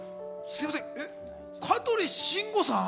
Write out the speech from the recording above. すみません。